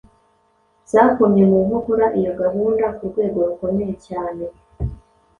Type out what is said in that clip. zakomye mu nkokora iyo gahunda ku rwego rukomeye cyane.